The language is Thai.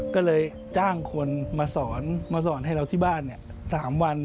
ก็เลยจ้างคนมาสอนมาสอนให้เราที่บ้าน๓วัน